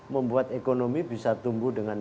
membuat ekonomi bisa tumbuh dengan